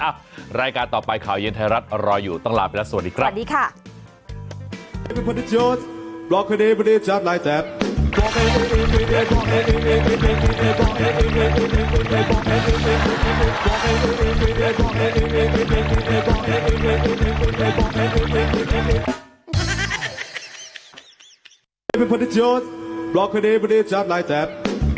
อ้าวรายการต่อไปข่าวเย็นไทยรัฐรออยู่ตั้งละไปแล้ว